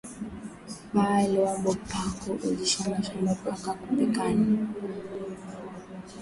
Bo lwabo paku ujisha mashamba paka kupikana